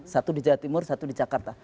satu di jawa timur satu di jakarta